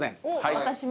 私も。